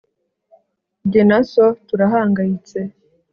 jye na so turahangayitse